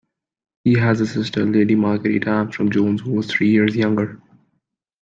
He has a sister, Lady Margarita Armstrong-Jones, who is three years younger.